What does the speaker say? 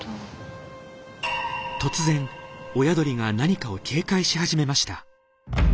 突然親鳥が何かを警戒し始めました！